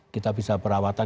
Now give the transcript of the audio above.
kita bisa perawatan